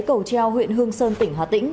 cầu treo huyện hương sơn tỉnh hà tĩnh